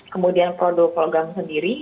kemudian produk logam sendiri